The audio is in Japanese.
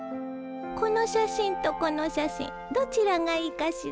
この写真とこの写真どちらがいいかしら？